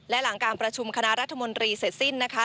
และหลังการประชุมคณะรัฐมนตรีเสร็จสิ้นนะคะ